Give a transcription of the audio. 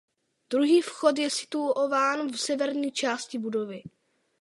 Druhý vchod je situován v severní části budovy.